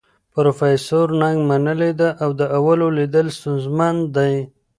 پروفیسور نګ منلې ده، د اولو لیدل ستونزمن دي.